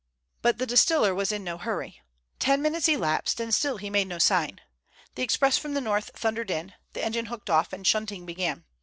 But the distiller was in no hurry. Ten minutes elapsed, and still he made no sign. The express from the north thundered in, the engine hooked off, and shunting began.